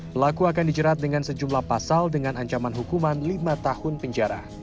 pelaku akan dijerat dengan sejumlah pasal dengan ancaman hukuman lima tahun penjara